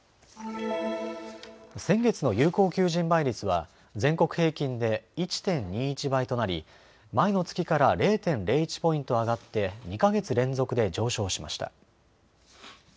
先月の有効求人倍率は全国平均で１．２１倍となり前の月から０．０１ポイント上がって２か月連続で上昇しました。